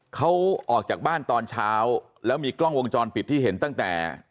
เขาออกจากบ้านตอนเช้าแล้วมีกล้องวงจรปิดที่เห็นตั้งแต่